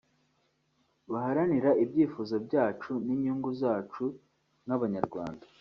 baharanira ibyifuzo byacu n’inyungu zacu nk’abanyarwanda